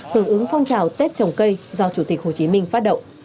hưởng ứng phong trào tết trồng cây do chủ tịch hồ chí minh phát động